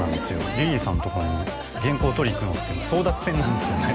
リリーさんのところに原稿取りに行くのって争奪戦なんですよね